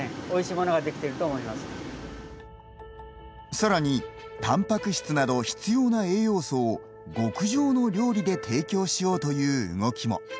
さらに、たんぱく質など必要な栄養素を極上の料理で提供しようという動きも。